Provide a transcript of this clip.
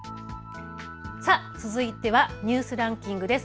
続いてはニュースランキングです。